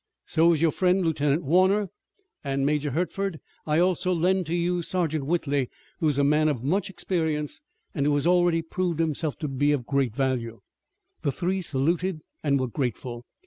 So is your friend, Lieutenant Warner, and, Major Hertford, I also lend to you Sergeant Whitley, who is a man of much experience and who has already proved himself to be of great value." The three saluted and were grateful.